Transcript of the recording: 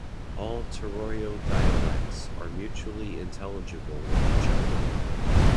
All Turoyo dialects are mutually intelligible with each other.